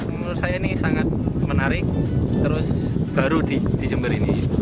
menurut saya ini sangat menarik terus baru di jember ini